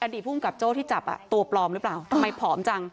ดีภูมิกับโจ้ที่จับอ่ะตัวปลอมหรือเปล่าทำไมผอมจัง